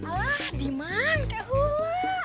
alah dimana kayak gula